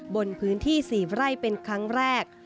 บนพื้นที่๔ไร่เป็นครั้งแรก